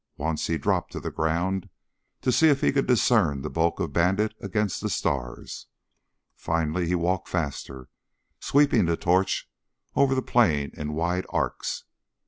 Once he dropped to the ground to see if he could discern the bulk of Bandit against the stars. Finally he walked faster, sweeping the torch over the plain in wide arcs.